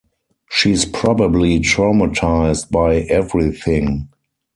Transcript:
She's probably traumatised by everything.